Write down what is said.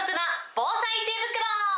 防災知恵袋。